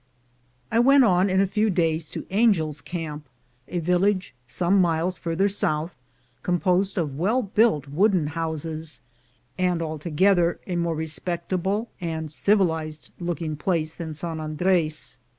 I went on in a few days to Angel's Camp, a village some miles farther south, composed of well built wooden houses, and altogether a more respectable and civilized looking place than San Andres.